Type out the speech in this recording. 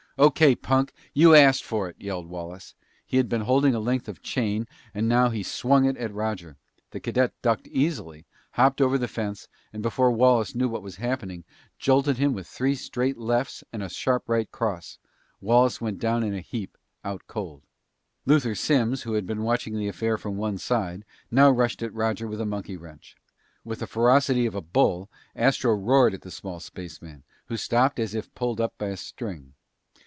"Okay, punk! You asked for it," yelled Wallace. He had been holding a length of chain and now he swung it at Roger. The cadet ducked easily, hopped over the fence, and before Wallace knew what was happening, jolted him with three straight lefts and a sharp right cross. Wallace went down in a heap, out cold. Luther Simms, who had been watching the affair from one side, now rushed at Roger with a monkey wrench. With the ferocity of a bull, Astro roared at the small spaceman, who stopped as if pulled up by a string.